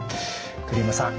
鳥山さん